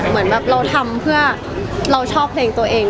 เหมือนแบบเราทำเพื่อเราชอบเพลงตัวเอง